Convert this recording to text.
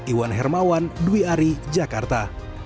iwan hermawan dwi ari jakarta